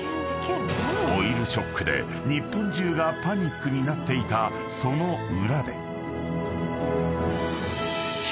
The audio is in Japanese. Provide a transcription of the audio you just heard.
［オイルショックで日本中がパニックになっていたその裏で］